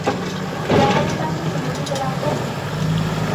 জাহাজের পাশটি সুরক্ষিত রাখো।